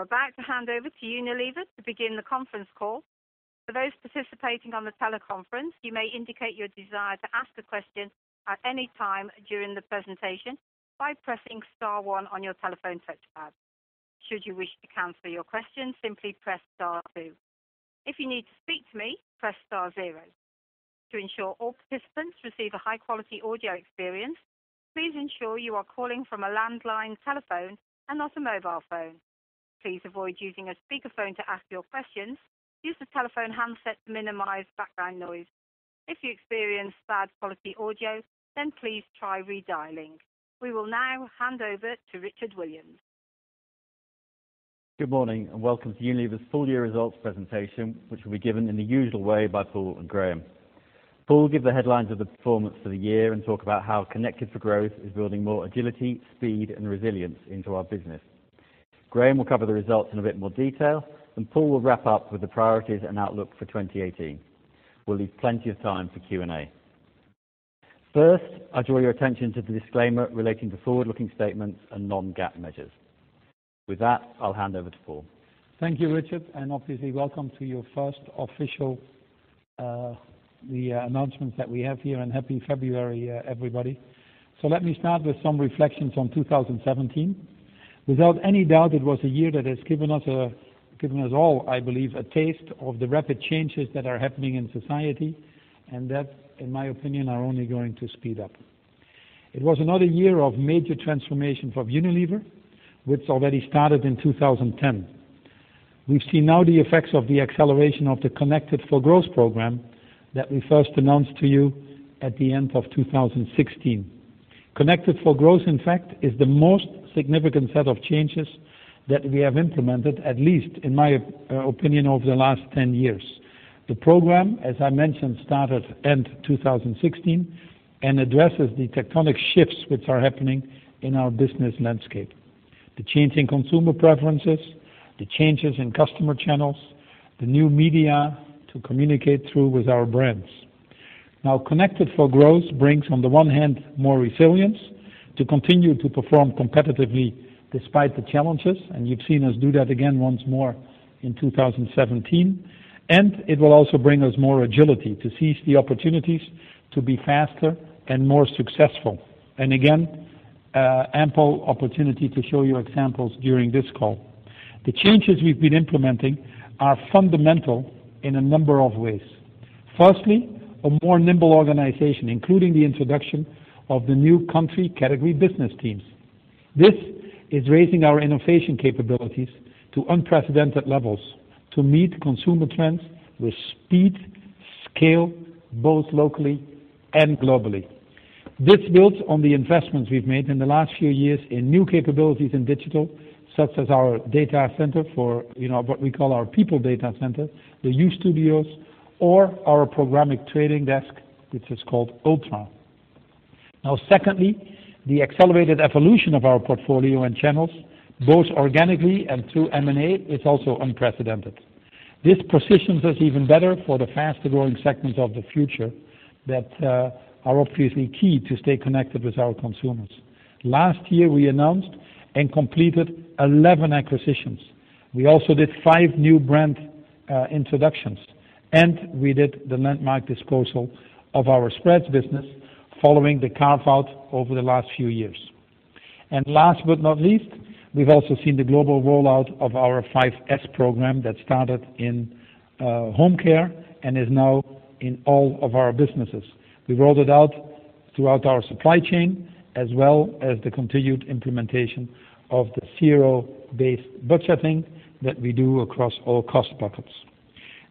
We're about to hand over to Unilever to begin the conference call. For those participating on the teleconference, you may indicate your desire to ask a question at any time during the presentation by pressing star one on your telephone touch pad. Should you wish to cancel your question, simply press star two. If you need to speak to me, press star zero. To ensure all participants receive a high-quality audio experience, please ensure you are calling from a landline telephone and not a mobile phone. Please avoid using a speakerphone to ask your questions. Use the telephone handset to minimize background noise. If you experience bad quality audio, then please try redialing. We will now hand over to Richard Williams. Good morning, welcome to Unilever's full year results presentation, which will be given in the usual way by Paul and Graeme. Paul will give the headlines of the performance for the year and talk about how Connected for Growth is building more agility, speed, and resilience into our business. Graeme will cover the results in a bit more detail, and Paul will wrap up with the priorities and outlook for 2018. We'll leave plenty of time for Q&A. First, I draw your attention to the disclaimer relating to forward-looking statements and non-GAAP measures. With that, I'll hand over to Paul. Thank you, Richard, obviously welcome to your first official, the announcements that we have here, happy February, everybody. Let me start with some reflections on 2017. Without any doubt, it was a year that has given us all, I believe, a taste of the rapid changes that are happening in society, and that, in my opinion, are only going to speed up. It was another year of major transformation for Unilever, which already started in 2010. We see now the effects of the acceleration of the Connected for Growth program that we first announced to you at the end of 2016. Connected for Growth, in fact, is the most significant set of changes that we have implemented, at least in my opinion, over the last 10 years. The program, as I mentioned, started end 2016 and addresses the tectonic shifts which are happening in our business landscape. The change in consumer preferences, the changes in customer channels, the new media to communicate through with our brands. Connected for Growth brings, on the one hand, more resilience to continue to perform competitively despite the challenges, and you've seen us do that again once more in 2017. It will also bring us more agility to seize the opportunities to be faster and more successful. Again, ample opportunity to show you examples during this call. The changes we've been implementing are fundamental in a number of ways. Firstly, a more nimble organization, including the introduction of the new country category business teams. This is raising our innovation capabilities to unprecedented levels to meet consumer trends with speed, scale, both locally and globally. This builds on the investments we've made in the last few years in new capabilities in digital, such as our data center for what we call our people data center, the U-Studios, or our programmatic trading desk, which is called OPA. Secondly, the accelerated evolution of our portfolio and channels, both organically and through M&A, is also unprecedented. This positions us even better for the faster-growing segments of the future that are obviously key to stay connected with our consumers. Last year, we announced and completed 11 acquisitions. We also did five new brand introductions, and we did the landmark disposal of our spreads business following the carve-out over the last few years. Last but not least, we've also seen the global rollout of our 5S program that started in home care and is now in all of our businesses. We rolled it out throughout our supply chain, as well as the continued implementation of the zero-based budgeting that we do across all cost buckets.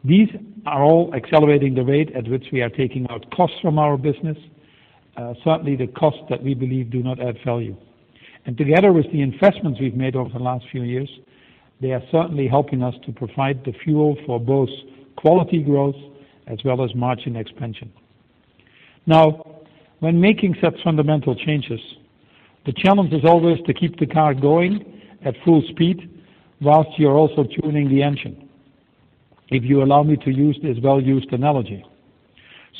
These are all accelerating the rate at which we are taking out costs from our business, certainly the costs that we believe do not add value. Together with the investments we've made over the last few years, they are certainly helping us to provide the fuel for both quality growth as well as margin expansion. When making such fundamental changes, the challenge is always to keep the car going at full speed whilst you're also tuning the engine, if you allow me to use this well-used analogy.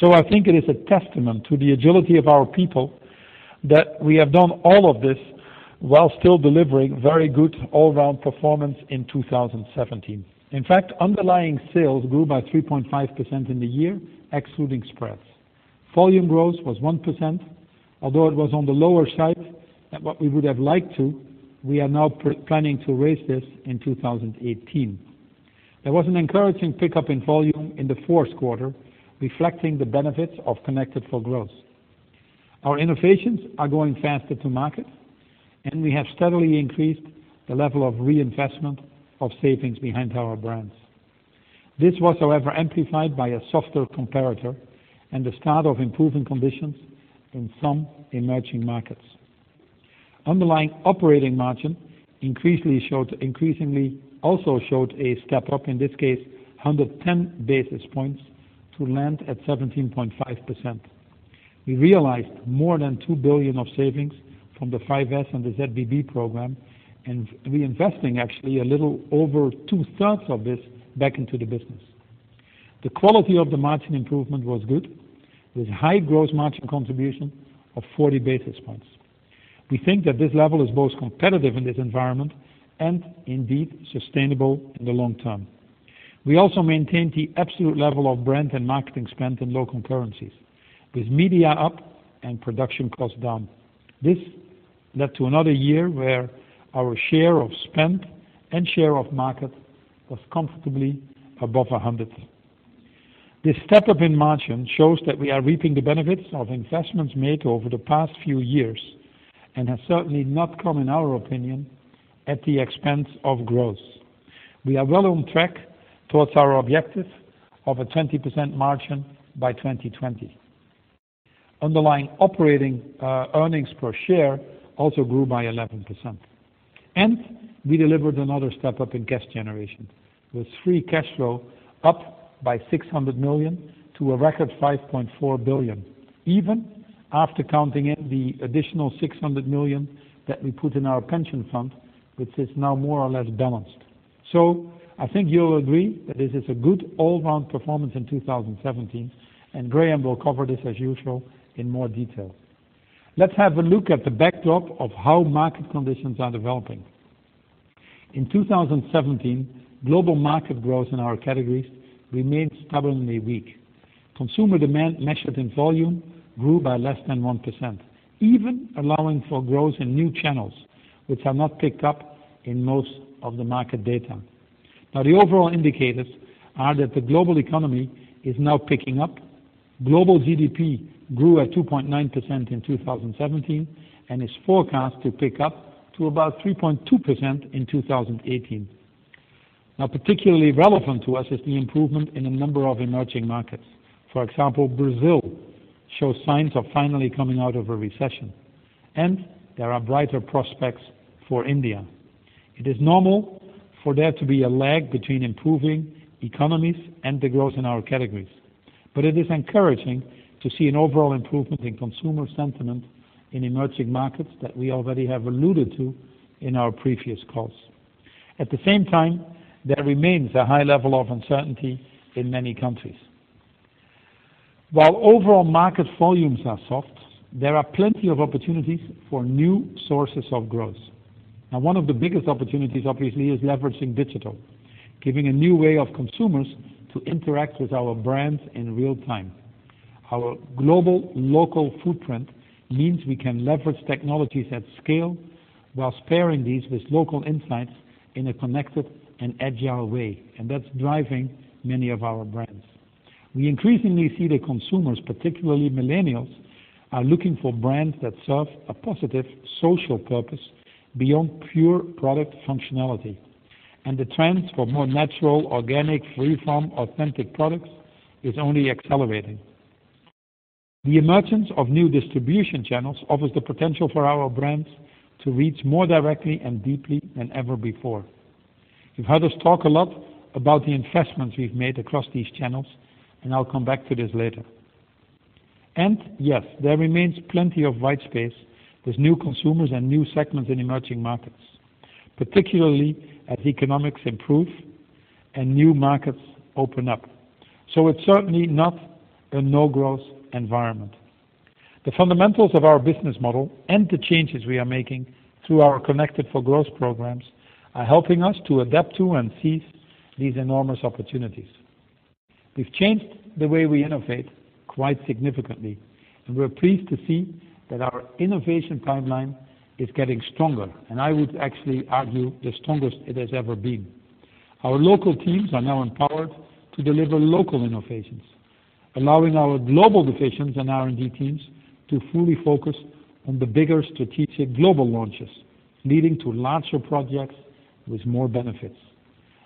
I think it is a testament to the agility of our people that we have done all of this while still delivering very good all-round performance in 2017. In fact, underlying sales grew by 3.5% in the year, excluding spreads. Volume growth was 1%, although it was on the lower side than what we would have liked to, we are now planning to raise this in 2018. There was an encouraging pickup in volume in the fourth quarter, reflecting the benefits of Connected for Growth. Our innovations are going faster to market, and we have steadily increased the level of reinvestment of savings behind our brands. This was, however, amplified by a softer comparator and the start of improving conditions in some emerging markets. Underlying operating margin increasingly also showed a step up, in this case, 110 basis points to land at 17.5%. We realized more than 2 billion of savings from the 5S and the ZBB program and reinvesting actually a little over two-thirds of this back into the business. The quality of the margin improvement was good, with high gross margin contribution of 40 basis points. We think that this level is both competitive in this environment and indeed sustainable in the long term. We also maintained the absolute level of brand and marketing spend in local currencies, with media up and production costs down. This led to another year where our share of spend and share of market was comfortably above 100. This step-up in margin shows that we are reaping the benefits of investments made over the past few years and has certainly not come, in our opinion, at the expense of growth. We are well on track towards our objective of a 20% margin by 2020. Underlying operating earnings per share also grew by 11%. We delivered another step up in cash generation, with free cash flow up by 600 million to a record 5.4 billion, even after counting in the additional 600 million that we put in our pension fund, which is now more or less balanced. I think you'll agree that this is a good all-round performance in 2017. Graeme will cover this as usual in more detail. Let's have a look at the backdrop of how market conditions are developing. In 2017, global market growth in our categories remained stubbornly weak. Consumer demand measured in volume grew by less than 1%, even allowing for growth in new channels, which are not picked up in most of the market data. The overall indicators are that the global economy is now picking up. Global GDP grew at 2.9% in 2017 and is forecast to pick up to about 3.2% in 2018. Particularly relevant to us is the improvement in a number of emerging markets. For example, Brazil shows signs of finally coming out of a recession, and there are brighter prospects for India. It is normal for there to be a lag between improving economies and the growth in our categories. It is encouraging to see an overall improvement in consumer sentiment in emerging markets that we already have alluded to in our previous calls. At the same time, there remains a high level of uncertainty in many countries. While overall market volumes are soft, there are plenty of opportunities for new sources of growth. One of the biggest opportunities, obviously, is leveraging digital, giving a new way of consumers to interact with our brands in real time. Our global local footprint means we can leverage technologies at scale while pairing these with local insights in a connected and agile way. That's driving many of our brands. We increasingly see that consumers, particularly millennials, are looking for brands that serve a positive social purpose beyond pure product functionality. The trend for more natural, organic, free-form, authentic products is only accelerating. The emergence of new distribution channels offers the potential for our brands to reach more directly and deeply than ever before. You've heard us talk a lot about the investments we've made across these channels. I'll come back to this later. Yes, there remains plenty of white space with new consumers and new segments in emerging markets, particularly as economics improve and new markets open up. It's certainly not a no-growth environment. The fundamentals of our business model and the changes we are making through our Connected for Growth programs are helping us to adapt to and seize these enormous opportunities. We've changed the way we innovate quite significantly. We're pleased to see that our innovation timeline is getting stronger. I would actually argue the strongest it has ever been. Our local teams are now empowered to deliver local innovations, allowing our global divisions and R&D teams to fully focus on the bigger strategic global launches, leading to larger projects with more benefits.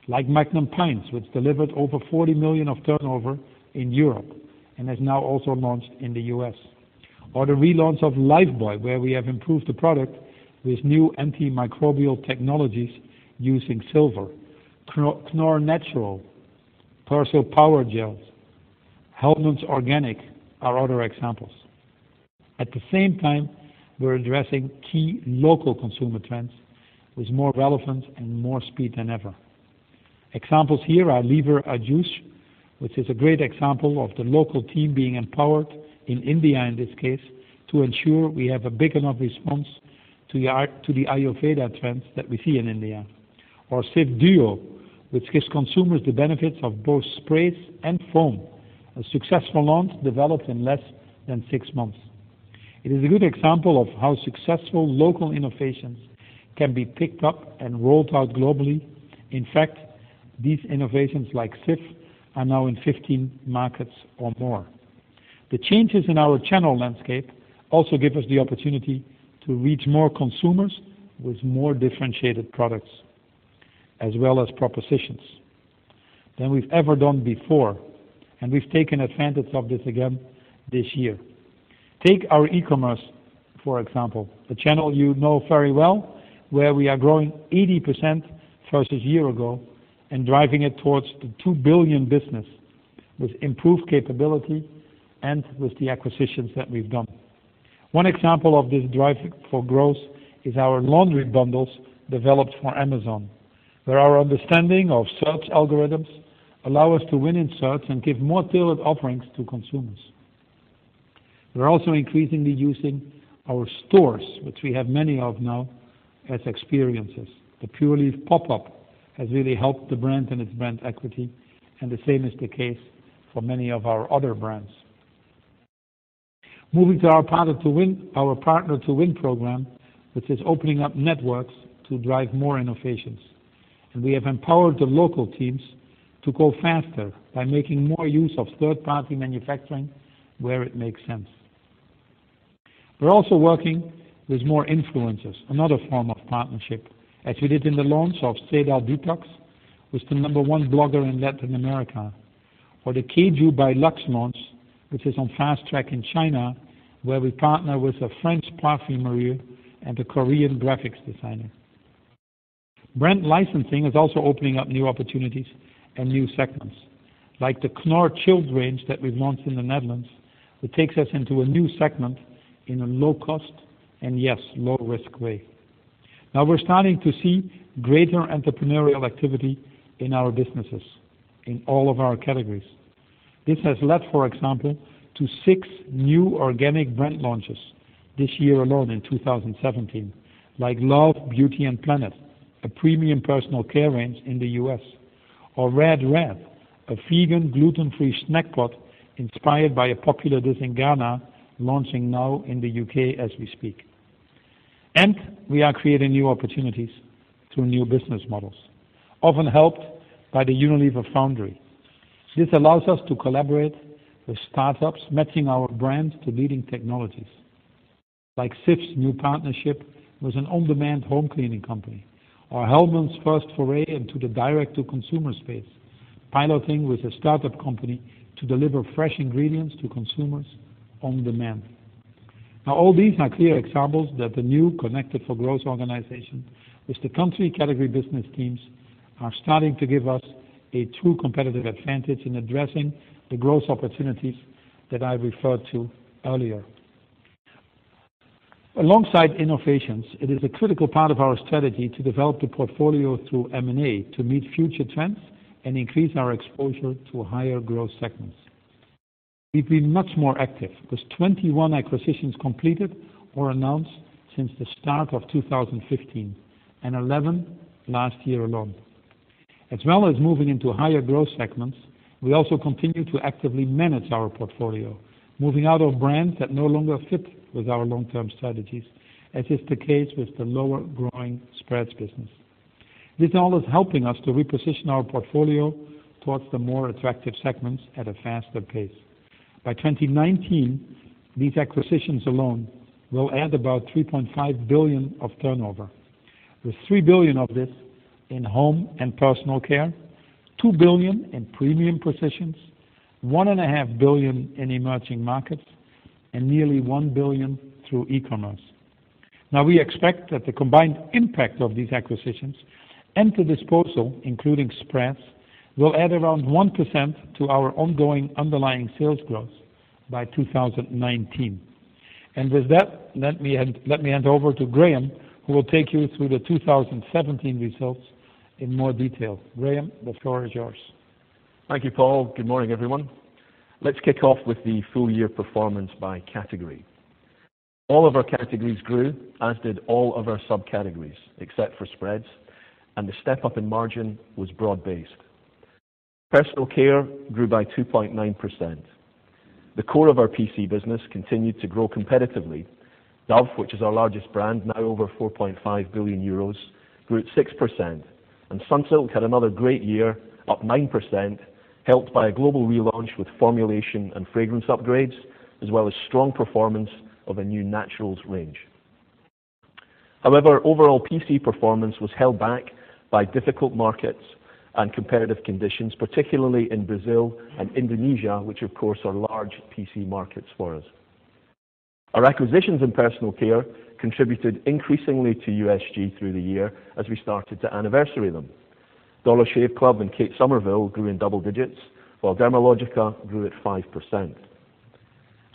Like Magnum Pints, which delivered over 40 million of turnover in Europe and has now also launched in the U.S. The relaunch of Lifebuoy, where we have improved the product with new antimicrobial technologies using silver. Knorr Natural, Persil Powergems, Hellmann's Organic are other examples. At the same time, we're addressing key local consumer trends with more relevance and more speed than ever. Examples here are Lever Ayush, which is a great example of the local team being empowered in India in this case, to ensure we have a big enough response to the Ayurveda trends that we see in India. Our Cif Duo, which gives consumers the benefits of both sprays and foam, a successful launch developed in less than six months. It is a good example of how successful local innovations can be picked up and rolled out globally. In fact, these innovations like Cif are now in 15 markets or more. The changes in our channel landscape also give us the opportunity to reach more consumers with more differentiated products as well as propositions than we've ever done before, and we've taken advantage of this again this year. Take our e-commerce, for example, a channel you know very well, where we are growing 80% versus year ago and driving it towards the 2 billion business with improved capability and with the acquisitions that we've done. One example of this drive for growth is our laundry bundles developed for Amazon, where our understanding of search algorithms allow us to win in search and give more tailored offerings to consumers. We're also increasingly using our stores, which we have many of now, as experiences. The Pure Leaf pop-up has really helped the brand and its brand equity, and the same is the case for many of our other brands. Moving to our Partner to Win program, which is opening up networks to drive more innovations. We have empowered the local teams to go faster by making more use of third-party manufacturing where it makes sense. We're also working with more influencers, another form of partnership, as we did in the launch of Sedal Detox with the number one blogger in Latin America, or the KJU by Lux launch, which is on fast track in China, where we partner with a French parfumerie and a Korean graphics designer. Brand licensing is also opening up new opportunities and new segments, like the Knorr Chilled range that we launched in the Netherlands, that takes us into a new segment in a low-cost and, yes, low-risk way. Now we're starting to see greater entrepreneurial activity in our businesses, in all of our categories. This has led, for example, to six new organic brand launches this year alone in 2017. Like Love Beauty and Planet, a premium personal care range in the U.S., or Red Red, a vegan, gluten-free snack pot inspired by a popular dish in Ghana, launching now in the U.K. as we speak. And we are creating new opportunities through new business models, often helped by the Unilever Foundry. This allows us to collaborate with startups matching our brands to leading technologies, like Cif's new partnership with an on-demand home cleaning company, or Hellmann's first foray into the direct-to-consumer space, piloting with a startup company to deliver fresh ingredients to consumers on demand. Now, all these are clear examples that the new Connected 4 Growth organization with the country category business teams are starting to give us a true competitive advantage in addressing the growth opportunities that I referred to earlier. Alongside innovations, it is a critical part of our strategy to develop the portfolio through M&A to meet future trends and increase our exposure to higher-growth segments. We've been much more active, with 21 acquisitions completed or announced since the start of 2015, and 11 last year alone. As well as moving into higher-growth segments, we also continue to actively manage our portfolio, moving out of brands that no longer fit with our long-term strategies, as is the case with the lower-growing spreads business. This all is helping us to reposition our portfolio towards the more attractive segments at a faster pace. By 2019, these acquisitions alone will add about 3.5 billion of turnover, with 3 billion of this in home and personal care, 2 billion in premium positions, 1.5 billion in emerging markets, and nearly 1 billion through e-commerce. We expect that the combined impact of these acquisitions and the disposal, including spreads, will add around 1% to our ongoing underlying sales growth by 2019. With that, let me hand over to Graeme, who will take you through the 2017 results in more detail. Graeme, the floor is yours. Thank you, Paul. Good morning, everyone. Let's kick off with the full-year performance by category. All of our categories grew, as did all of our sub-categories, except for spreads, and the step-up in margin was broad-based. Personal care grew by 2.9%. The core of our PC business continued to grow competitively. Dove, which is our largest brand, now over 4.5 billion euros, grew at 6%, and Sunsilk had another great year, up 9%, helped by a global relaunch with formulation and fragrance upgrades, as well as strong performance of a new naturals range. However, overall PC performance was held back by difficult markets and competitive conditions, particularly in Brazil and Indonesia, which of course are large PC markets for us. Our acquisitions in personal care contributed increasingly to USG through the year as we started to anniversary them. Dollar Shave Club and Kate Somerville grew in double digits, while Dermalogica grew at 5%.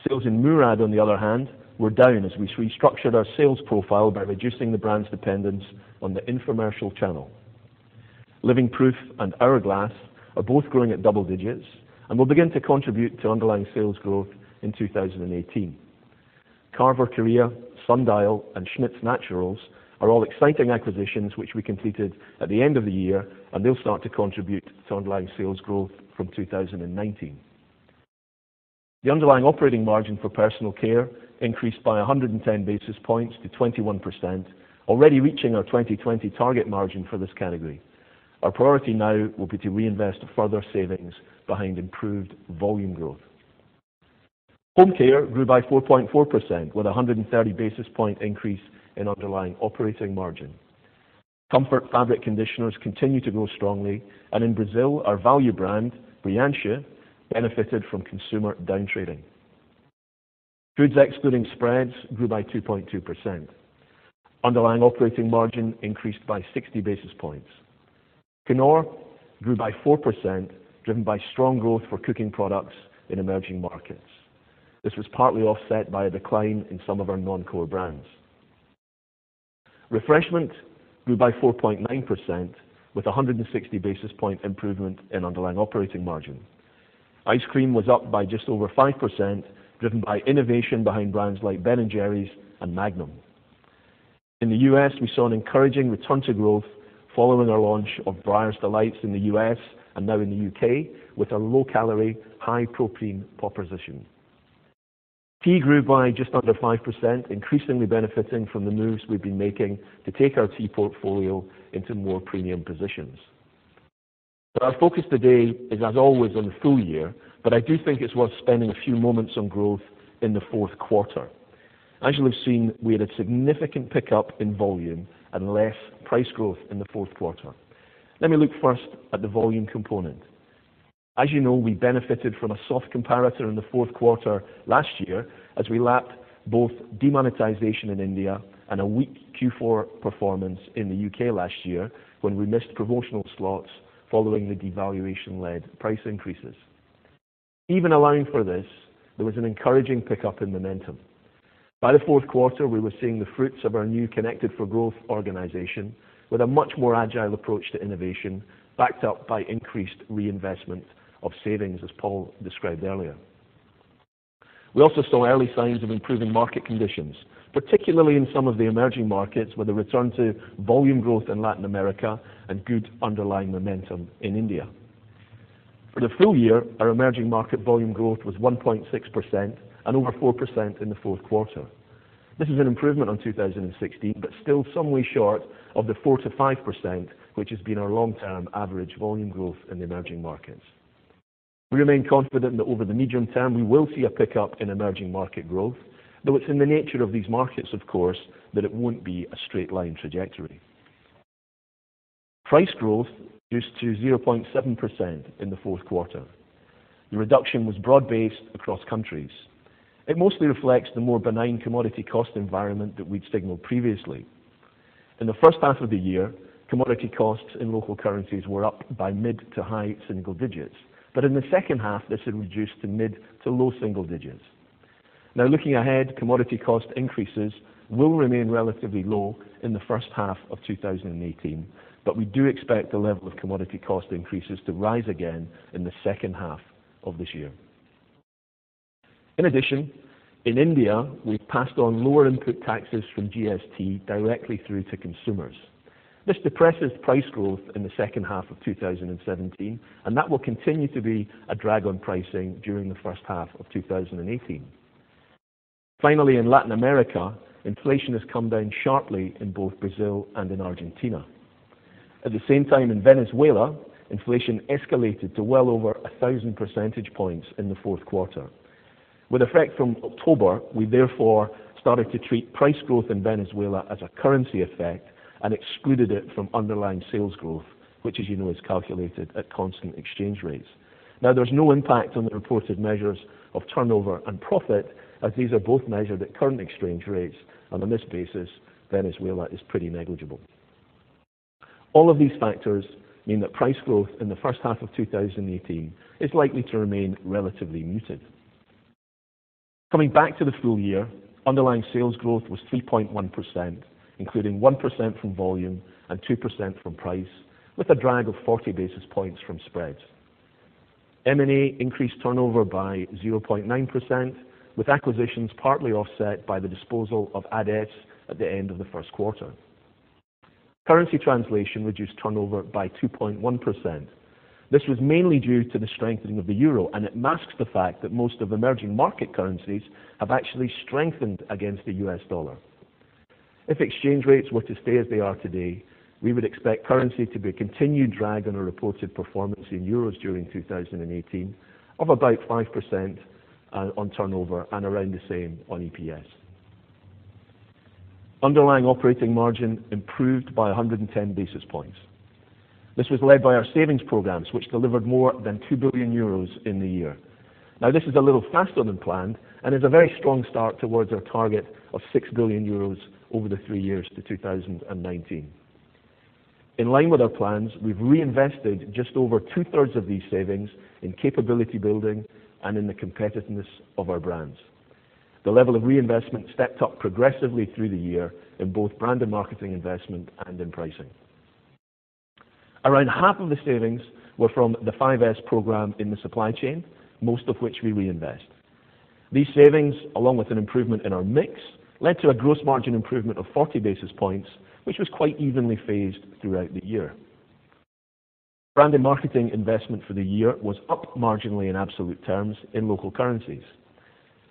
Sales in Murad, on the other hand, were down as we restructured our sales profile by reducing the brand's dependence on the infomercial channel. Living Proof and Hourglass are both growing at double digits and will begin to contribute to underlying sales growth in 2018. Carver Korea, Sundial, and Schmidt's Naturals are all exciting acquisitions which we completed at the end of the year, and they'll start to contribute to underlying sales growth from 2019. The underlying operating margin for personal care increased by 110 basis points to 21%, already reaching our 2020 target margin for this category. Our priority now will be to reinvest further savings behind improved volume growth. Home care grew by 4.4%, with 130 basis point increase in underlying operating margin. Comfort fabric conditioners continue to grow strongly. In Brazil, our value brand, Brilhante, benefited from consumer downtrading. Foods excluding spreads grew by 2.2%. Underlying operating margin increased by 60 basis points. Knorr grew by 4%, driven by strong growth for cooking products in emerging markets. This was partly offset by a decline in some of our non-core brands. Refreshment grew by 4.9% with 160 basis point improvement in underlying operating margin. Ice cream was up by just over 5%, driven by innovation behind brands like Ben & Jerry's and Magnum. In the U.S., we saw an encouraging return to growth following our launch of Breyers Delights in the U.S. and now in the U.K. with a low-calorie, high protein proposition. Tea grew by just under 5%, increasingly benefiting from the moves we've been making to take our tea portfolio into more premium positions. Our focus today is, as always, on the full year, I do think it's worth spending a few moments on growth in the fourth quarter. As you'll have seen, we had a significant pickup in volume and less price growth in the fourth quarter. Let me look first at the volume component. As you know, we benefited from a soft comparator in the fourth quarter last year as we lapped both demonetization in India and a weak Q4 performance in the U.K. last year when we missed promotional slots following the devaluation-led price increases. Even allowing for this, there was an encouraging pickup in momentum. By the fourth quarter, we were seeing the fruits of our new Connected for Growth organization with a much more agile approach to innovation backed up by increased reinvestment of savings, as Paul described earlier. We also saw early signs of improving market conditions, particularly in some of the emerging markets with a return to volume growth in Latin America and good underlying momentum in India. For the full year, our emerging market volume growth was 1.6% and over 4% in the fourth quarter. This is an improvement on 2016, still some way short of the 4%-5%, which has been our long-term average volume growth in the emerging markets. We remain confident that over the medium term, we will see a pickup in emerging market growth, though it's in the nature of these markets, of course, that it won't be a straight line trajectory. Price growth reduced to 0.7% in the fourth quarter. The reduction was broad-based across countries. It mostly reflects the more benign commodity cost environment that we'd signaled previously. In the first half of the year, commodity costs in local currencies were up by mid to high single digits, in the second half, this had reduced to mid to low single digits. Looking ahead, commodity cost increases will remain relatively low in the first half of 2018, we do expect the level of commodity cost increases to rise again in the second half of this year. In addition, in India, we've passed on lower input taxes from GST directly through to consumers. This depresses price growth in the second half of 2017, that will continue to be a drag on pricing during the first half of 2018. In Latin America, inflation has come down sharply in both Brazil and in Argentina. The same time in Venezuela, inflation escalated to well over 1,000 percentage points in the fourth quarter. With effect from October, we therefore started to treat price growth in Venezuela as a currency effect and excluded it from underlying sales growth, which as you know, is calculated at constant exchange rates. There's no impact on the reported measures of turnover and profit as these are both measured at current exchange rates, and on this basis, Venezuela is pretty negligible. All of these factors mean that price growth in the first half of 2018 is likely to remain relatively muted. Coming back to the full year, underlying sales growth was 3.1%, including 1% from volume and 2% from price with a drag of 40 basis points from spread. M&A increased turnover by 0.9% with acquisitions partly offset by the disposal of AdeS at the end of the first quarter. Currency translation reduced turnover by 2.1%. This was mainly due to the strengthening of the EUR, and it masks the fact that most of emerging market currencies have actually strengthened against the US dollar. If exchange rates were to stay as they are today, we would expect currency to be a continued drag on our reported performance in EUR during 2018 of about 5% on turnover and around the same on EPS. Underlying operating margin improved by 110 basis points. This was led by our savings programs, which delivered more than 2 billion euros in the year. This is a little faster than planned and is a very strong start towards our target of 6 billion euros over the three years to 2019. In line with our plans, we've reinvested just over two-thirds of these savings in capability building and in the competitiveness of our brands. The level of reinvestment stepped up progressively through the year in both brand and marketing investment and in pricing. Around half of the savings were from the 5S program in the supply chain, most of which we reinvest. These savings, along with an improvement in our mix, led to a gross margin improvement of 40 basis points, which was quite evenly phased throughout the year. Brand and marketing investment for the year was up marginally in absolute terms in local currencies.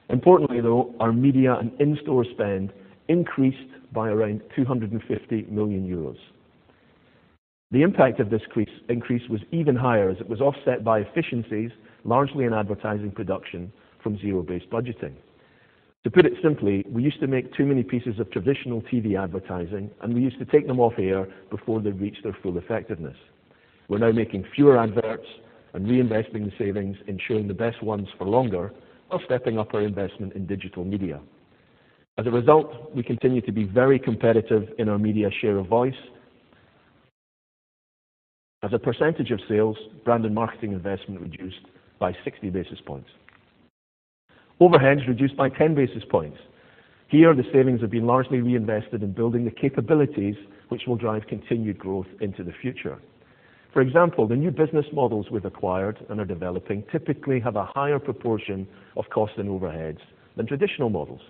Importantly, though, our media and in-store spend increased by around 250 million euros. The impact of this increase was even higher as it was offset by efficiencies, largely in advertising production from zero-based budgeting. To put it simply, we used to make too many pieces of traditional TV advertising, and we used to take them off air before they reached their full effectiveness. We're now making fewer adverts and reinvesting the savings in showing the best ones for longer while stepping up our investment in digital media. As a result, we continue to be very competitive in our media share of voice. As a percentage of sales, brand and marketing investment reduced by 60 basis points. Overheads reduced by 10 basis points. Here, the savings have been largely reinvested in building the capabilities which will drive continued growth into the future. For example, the new business models we've acquired and are developing typically have a higher proportion of costs and overheads than traditional models.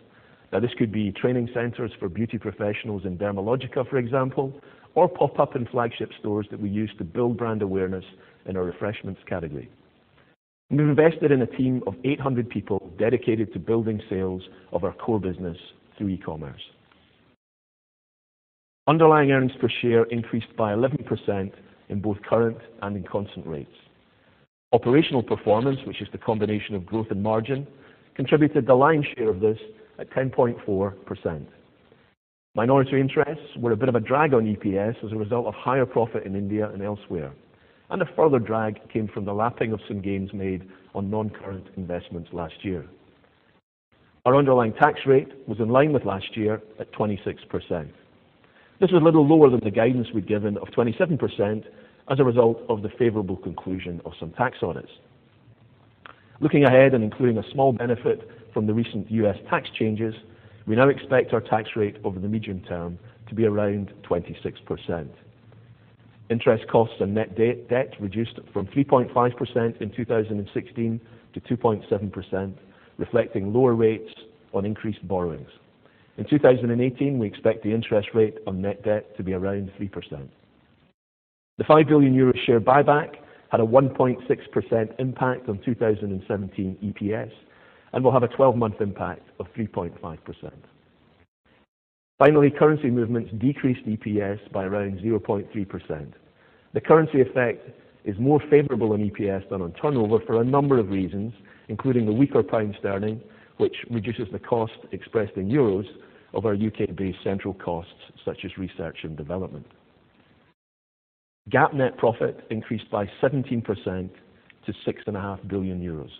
This could be training centers for beauty professionals in Dermalogica, for example, or pop-up and flagship stores that we use to build brand awareness in our refreshments category. We've invested in a team of 800 people dedicated to building sales of our core business through e-commerce. Underlying earnings per share increased by 11% in both current and in constant rates. Operational performance, which is the combination of growth and margin, contributed the lion's share of this at 10.4%. Minority interests were a bit of a drag on EPS as a result of higher profit in India and elsewhere, and a further drag came from the lapping of some gains made on non-current investments last year. Our underlying tax rate was in line with last year at 26%. This was a little lower than the guidance we'd given of 27% as a result of the favorable conclusion of some tax audits. Looking ahead and including a small benefit from the recent U.S. tax changes, we now expect our tax rate over the medium term to be around 26%. Interest costs and net debt reduced from 3.5% in 2016 to 2.7%, reflecting lower rates on increased borrowings. In 2018, we expect the interest rate on net debt to be around 3%. The 5 billion euro share buyback had a 1.6% impact on 2017 EPS and will have a 12-month impact of 3.5%. Currency movements decreased EPS by around 0.3%. The currency effect is more favorable on EPS than on turnover for a number of reasons, including the weaker pound sterling, which reduces the cost expressed in euros of our U.K.-based central costs, such as research and development. GAAP net profit increased by 17% to 6.5 billion euros.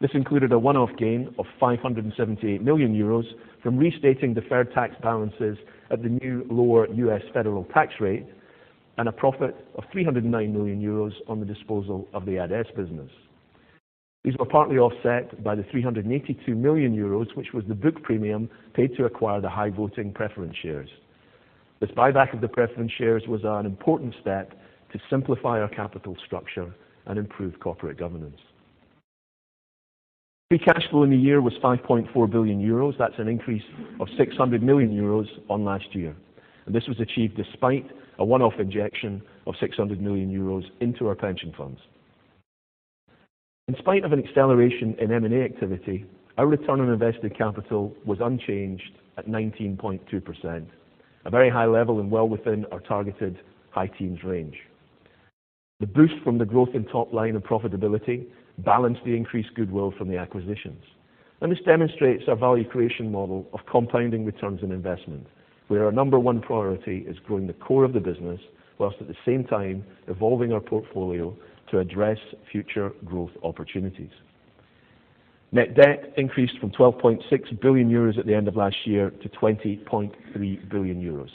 This included a one-off gain of 578 million euros from restating deferred tax balances at the new lower U.S. federal tax rate, and a profit of 309 million euros on the disposal of the AdeS business. These were partly offset by the 382 million euros, which was the book premium paid to acquire the high-voting preference shares. This buyback of the preference shares was an important step to simplify our capital structure and improve corporate governance. Free cash flow in the year was 5.4 billion euros. That's an increase of 600 million euros on last year, and this was achieved despite a one-off injection of 600 million euros into our pension funds. In spite of an acceleration in M&A activity, our return on invested capital was unchanged at 19.2%, a very high level and well within our targeted high teens range. The boost from the growth in top line and profitability balanced the increased goodwill from the acquisitions, and this demonstrates our value creation model of compounding returns on investment, where our number one priority is growing the core of the business whilst at the same time evolving our portfolio to address future growth opportunities. Net debt increased from 12.6 billion euros at the end of last year to 20.3 billion euros.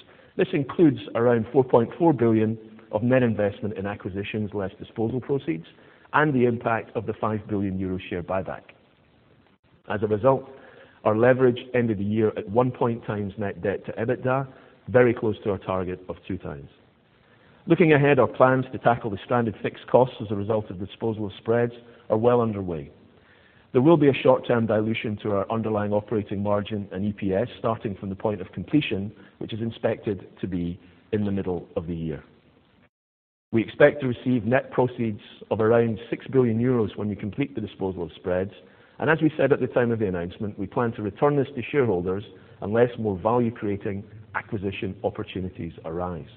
Our leverage ended the year at one point times net debt to EBITDA, very close to our target of two times. Looking ahead, our plans to tackle the stranded fixed costs as a result of the disposal of spreads are well underway. There will be a short-term dilution to our underlying operating margin and EPS starting from the point of completion, which is expected to be in the middle of the year. We expect to receive net proceeds of around 6 billion euros when we complete the disposal of spreads, and as we said at the time of the announcement, we plan to return this to shareholders unless more value-creating acquisition opportunities arise.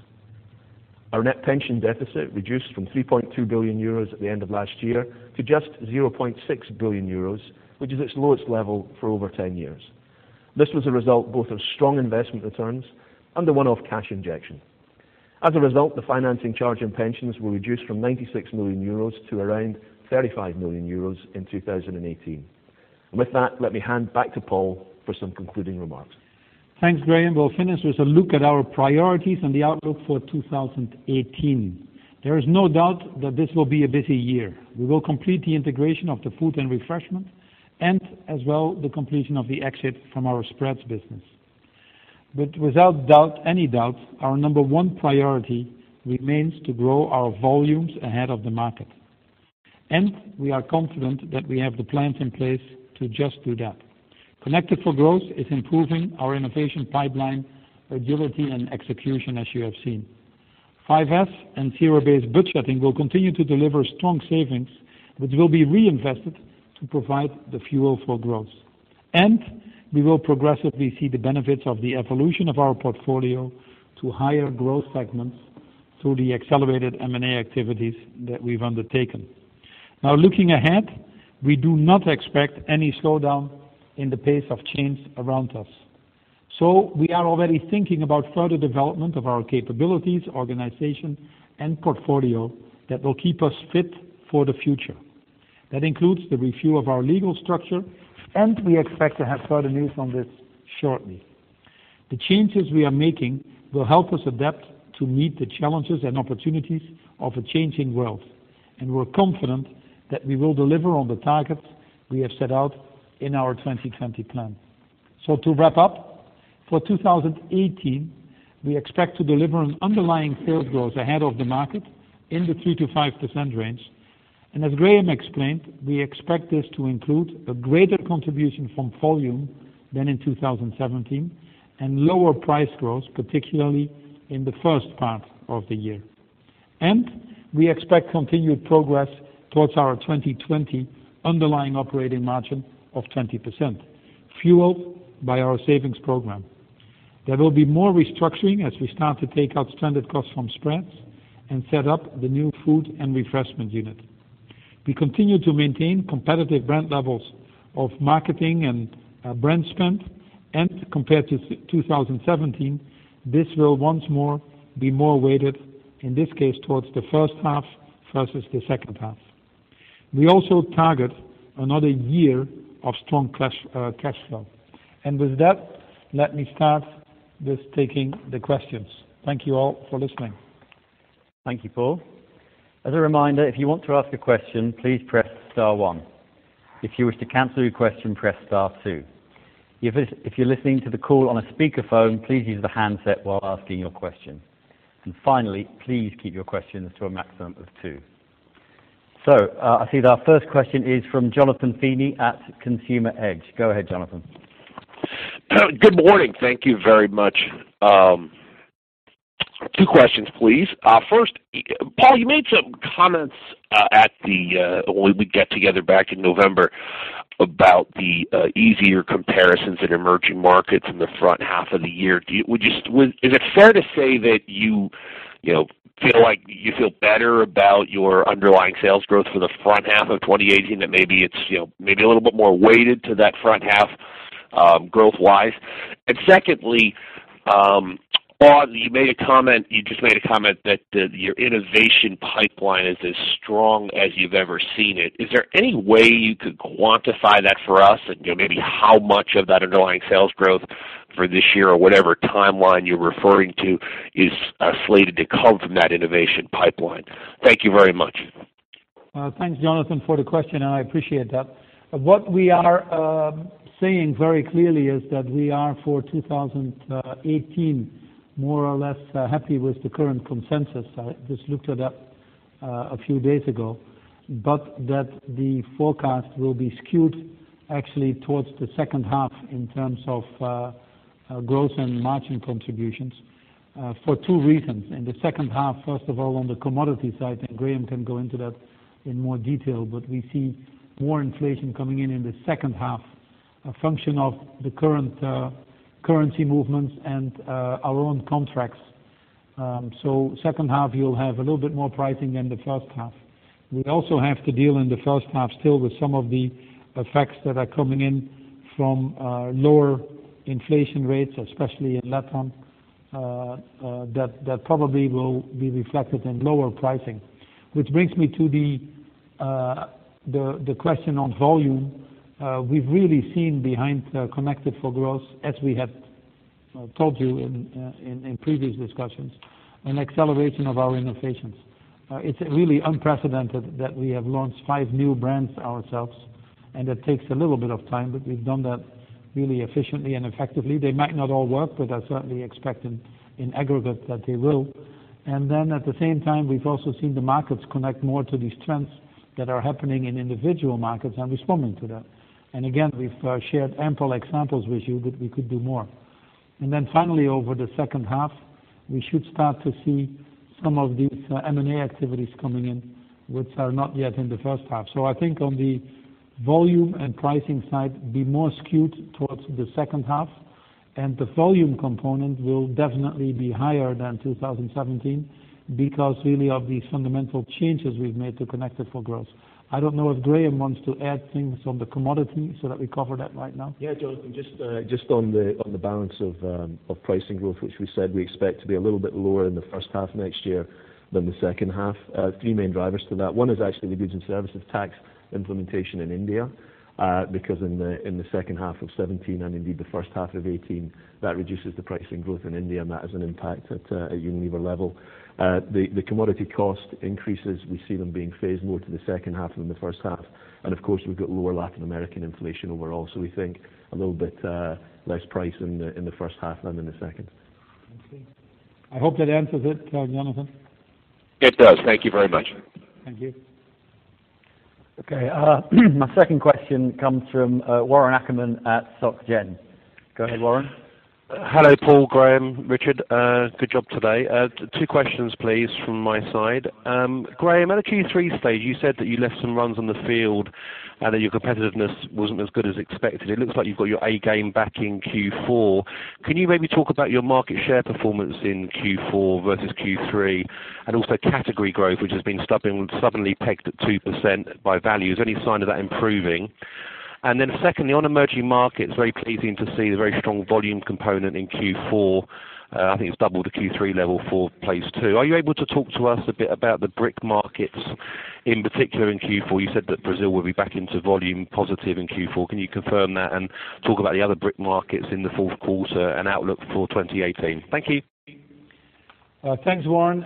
Our net pension deficit reduced from 3.2 billion euros at the end of last year to just 0.6 billion euros, which is its lowest level for over 10 years. This was a result both of strong investment returns and the one-off cash injection. As a result, the financing charge in pensions will reduce from 96 million euros to around 35 million euros in 2018. With that, let me hand back to Paul for some concluding remarks. Thanks, Graeme. We'll finish with a look at our priorities and the outlook for 2018. There is no doubt that this will be a busy year. We will complete the integration of the Foods & Refreshment and as well the completion of the exit from our spreads business. Without any doubts, our number one priority remains to grow our volumes ahead of the market, and we are confident that we have the plans in place to just do that. Connected 4 Growth is improving our innovation pipeline, agility, and execution, as you have seen. 5S and zero-based budgeting will continue to deliver strong savings, which will be reinvested to provide the fuel for growth. We will progressively see the benefits of the evolution of our portfolio to higher growth segments through the accelerated M&A activities that we've undertaken. Looking ahead, we do not expect any slowdown in the pace of change around us, so we are already thinking about further development of our capabilities, organization, and portfolio that will keep us fit for the future. That includes the review of our legal structure, and we expect to have further news on this shortly. The changes we are making will help us adapt to meet the challenges and opportunities of a changing world, and we're confident that we will deliver on the targets we have set out in our 2020 plan. To wrap up, for 2018, we expect to deliver an underlying sales growth ahead of the market in the 3%-5% range. As Graeme explained, we expect this to include a greater contribution from volume than in 2017 and lower price growth, particularly in the first part of the year. We expect continued progress towards our 2020 underlying operating margin of 20%, fueled by our savings program. There will be more restructuring as we start to take out stranded costs from spreads and set up the new Foods & Refreshment unit. We continue to maintain competitive brand levels of marketing and brand spend and compared to 2017, this will once more be more weighted, in this case, towards the first half versus the second half. We also target another year of strong cash flow. With that, let me start with taking the questions. Thank you all for listening. Thank you, Paul. As a reminder, if you want to ask a question, please press star one. If you wish to cancel your question, press star two. If you're listening to the call on a speakerphone, please use the handset while asking your question. Finally, please keep your questions to a maximum of two. I see that our first question is from Jonathan Feeney at Consumer Edge. Go ahead, Jonathan. Good morning. Thank you very much. Two questions, please. First, Paul, you made some comments at when we would get together back in November about the easier comparisons in emerging markets in the front half of the year. Is it fair to say that you feel like you feel better about your underlying sales growth for the front half of 2018? That maybe it's maybe a little bit more weighted to that front half, growth-wise? Secondly, Paul, you just made a comment that your innovation pipeline is as strong as you've ever seen it. Is there any way you could quantify that for us? Maybe how much of that underlying sales growth for this year or whatever timeline you're referring to is slated to come from that innovation pipeline? Thank you very much. Thanks, Jonathan, for the question. I appreciate that. What we are saying very clearly is that we are, for 2018, more or less happy with the current consensus. I just looked it up a few days ago, but that the forecast will be skewed actually towards the second half in terms of growth and margin contributions for two reasons. In the second half, first of all, on the commodity side, Graeme can go into that in more detail, but we see more inflation coming in in the second half, a function of the current currency movements and our own contracts. Second half, you'll have a little bit more pricing than the first half. We also have to deal in the first half still with some of the effects that are coming in from lower inflation rates, especially in Latin, that probably will be reflected in lower pricing. Which brings me to the question on volume. We've really seen behind Connected 4 Growth, as we have told you in previous discussions, an acceleration of our innovations. It's really unprecedented that we have launched five new brands ourselves. It takes a little bit of time, but we've done that really efficiently and effectively. They might not all work, but I certainly expect in aggregate that they will. At the same time, we've also seen the markets connect more to these trends that are happening in individual markets responding to that. Again, we've shared ample examples with you, but we could do more. Finally, over the second half, we should start to see some of these M&A activities coming in, which are not yet in the first half. I think on the volume and pricing side, be more skewed towards the second half, and the volume component will definitely be higher than 2017 because really of these fundamental changes we've made to Connected for Growth. I don't know if Graeme wants to add things on the commodity so that we cover that right now. Yeah, Jonathan, just on the balance of pricing growth, which we said we expect to be a little bit lower in the first half next year than the second half. Three main drivers to that. One is actually the goods and services tax implementation in India, because in the second half of 2017, and indeed the first half of 2018, that reduces the pricing growth in India, and that has an impact at Unilever level. The commodity cost increases, we see them being phased more to the second half than the first half. Of course, we've got lower Latin American inflation overall. We think a little bit less price in the first half than in the second. I see. I hope that answers it, Jonathan. It does. Thank you very much. Thank you. Okay. My second question comes from Warren Ackerman at SocGen. Go ahead, Warren. Hello, Paul, Graeme, Richard. Good job today. Two questions, please, from my side. Graeme, at the Q3 stage, you said that you left some runs on the field and that your competitiveness wasn't as good as expected. It looks like you've got your A game back in Q4. Can you maybe talk about your market share performance in Q4 versus Q3, and also category growth, which has been stubbornly pegged at 2% by value? Is there any sign of that improving? Secondly, on emerging markets, very pleasing to see the very strong volume component in Q4. I think it's double the Q3 level for place two. Are you able to talk to us a bit about the BRIC markets, in particular in Q4? You said that Brazil will be back into volume positive in Q4. Can you confirm that and talk about the other BRIC markets in the fourth quarter and outlook for 2018? Thank you. Thanks, Warren,